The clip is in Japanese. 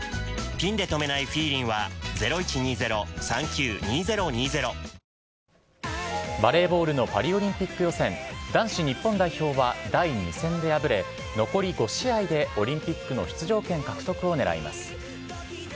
きょう出廷した京アニの八田英明社長は、検察側から、バレーボールのパリオリンピック予選、男子日本代表は、第２戦で敗れ、残り５試合でオリンピックの出場権獲得を狙います。